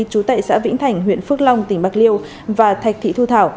chú tại xã vĩnh thành huyện phước long tỉnh bạc liêu và thạch thị thu thảo